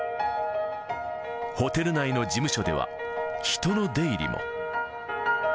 ホテル内の事務所では、人の出入りも。